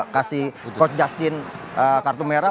kasih coach justin kartu merah